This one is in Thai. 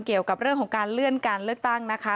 เกี่ยวกับเรื่องของการเลื่อนการเลือกตั้งนะคะ